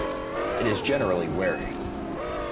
It is generally wary.